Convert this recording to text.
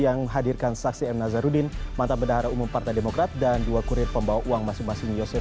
mungkin kan tadi ada proyek apa dapat juga bagian dari situ